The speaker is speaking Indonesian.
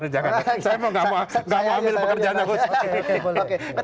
jangan saya mau nggak mau ambil pekerjaan aku sendiri